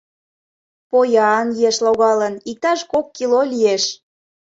— Поян еш логалын, иктаж кок кило лиеш.